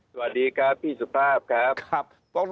สวัสดีครับพี่สุภาพครับ